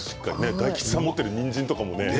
大吉さんが持っているにんじんも。